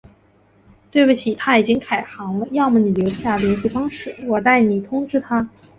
对不起，他已经改行了，要么你留下联系方式，我代你通知他。